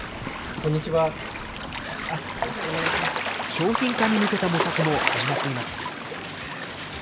商品化に向けた模索も始まっています。